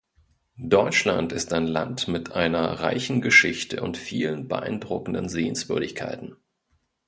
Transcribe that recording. Deutschland ist ein Land mit einer reichen Geschichte und vielen beeindruckenden Sehenswürdigkeiten.